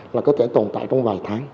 là có thể tồn tại trong vài tháng